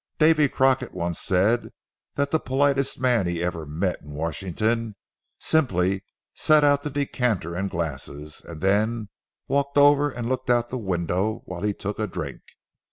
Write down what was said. Davy Crockett once said that the politest man he ever met in Washington simply set out the decanter and glasses, and then walked over and looked out of the window while he took a drink.